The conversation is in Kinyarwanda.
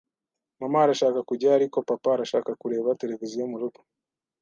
Mama arashaka kujyayo, ariko papa arashaka kureba televiziyo murugo.